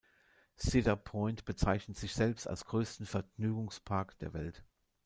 Cedar Point bezeichnet sich selbst als größten Vergnügungspark der Welt.